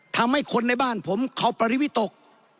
ทำให้คนในบ้านผมเขาปริวิตก